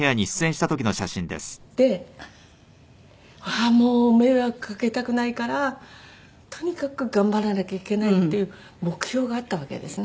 ああもう迷惑掛けたくないからとにかく頑張らなきゃいけないっていう目標があったわけですね。